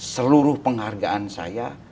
seluruh penghargaan saya